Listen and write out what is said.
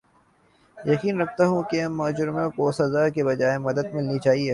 یقین رکھتا ہوں کہ مجرموں کو سزا کے بجاے مدد ملنی چاھیے